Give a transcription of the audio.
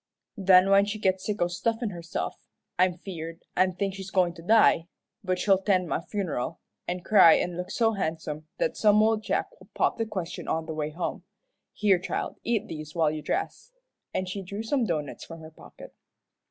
"Then when she gets sick from stuffin' herself, I'm feared, an' think she's goin' to die, but she'll 'tend my funeral, an' cry an' look so handsome that some ole Jack will pop the question on the way home. Here, child, eat these while you dress," and she drew some doughnuts from her pocket.